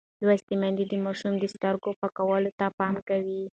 لوستې میندې د ماشومانو د سترګو پاکوالي ته پام کوي.